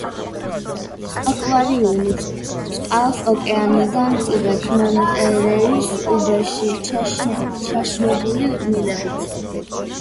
აკვარიუმი წყალს ოკეანიდან იღებს მონტერეის უბეში ჩაშვებული მილებით.